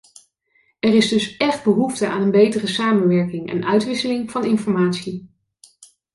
Er is dus echt behoefte aan een betere samenwerking en uitwisseling van informatie.